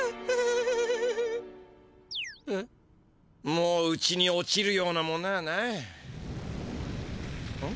もううちに落ちるようなものはないん？